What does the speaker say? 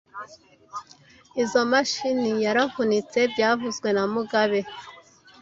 Izoi mashini yaravunitse byavuzwe na mugabe